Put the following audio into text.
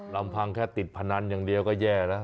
ลำพังแค่ติดพนันอย่างเดียวก็แย่นะ